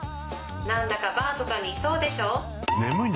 何だかバーとかにいそうでしょ？